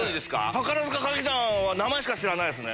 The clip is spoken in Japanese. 宝塚歌劇団は名前しか知らないですね。